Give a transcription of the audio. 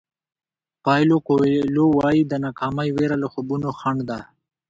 پایلو کویلو وایي د ناکامۍ وېره له خوبونو خنډ ده.